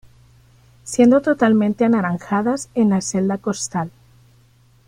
Siendo totalmente anaranjadas en la celda costal.